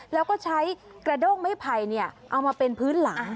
แล้วก็ใช้กระด้งไม้ไผ่เอามาเป็นพื้นหลัง